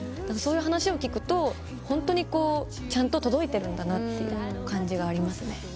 そういう話を聞くとホントにちゃんと届いてるんだなって感じがありますね。